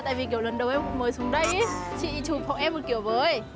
tại vì kiểu lần đầu em mới xuống đây chị chụp hộ em một kiểu với